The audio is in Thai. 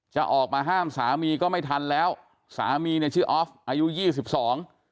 จะออกมาห้ามสามีก็ไม่ทันแล้วสามีเนี่ยชื่อออฟอายุยี่สิบสอง